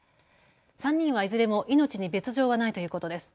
３人はいずれも命に別状はないということです。